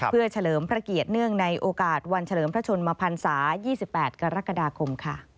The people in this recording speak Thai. เพื่อเฉลิมพระเกียรติเนื่องในโอกาสวันเฉลิมพระชนมพันศา๒๘กรกฎาคม